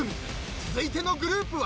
続いてのグループは］